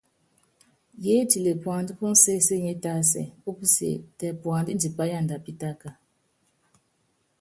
Yiétile puandá púnsésenie tásɛ ópusíé tɛ puandá indipá yanda apítáka.